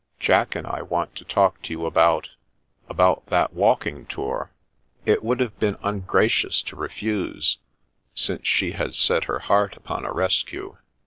Jack and I want to talk to you about — ^about that walking tour." It would have been ungracious to refuse, since she had set her heart upon a rescue.